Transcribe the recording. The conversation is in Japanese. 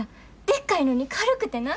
でっかいのに軽くてな。